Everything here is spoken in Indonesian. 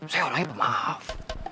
saya orangnya pemaham